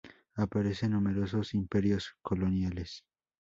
Aparecen numerosos imperios coloniales.